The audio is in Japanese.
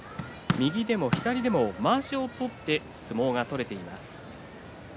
右でも左でもまわしを取って相撲が取れています。